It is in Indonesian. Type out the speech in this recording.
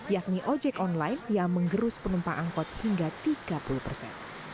yakni ojek online yang menggerus penumpang angkot hingga tiga puluh persen